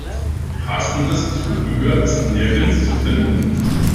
Passendes Zubehör ist nirgends zu finden.